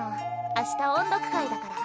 明日音読会だから。